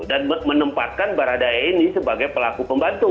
dan menempatkan barada e ini sebagai pelaku pembantu